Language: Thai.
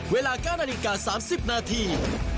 เวลาก้านาฬิกาสามสิบนาที